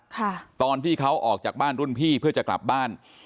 ค่ะตอนที่เขาออกจากบ้านรุ่นพี่เพื่อจะกลับบ้าน